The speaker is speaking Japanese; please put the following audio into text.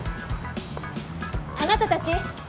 あなたたち！